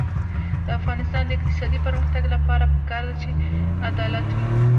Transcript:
د افغانستان د اقتصادي پرمختګ لپاره پکار ده چې عدالت وي.